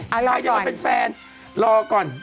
เอาล่ะรอก่อนใครจะมาเป็นแฟนรอก่อน